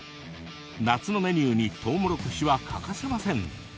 夏のメニューにとうもろこしは欠かせません。